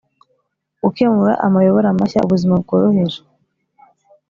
gukemura amayobera mashya ubuzima bwohereje.